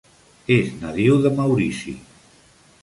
És nadiu de Maurici.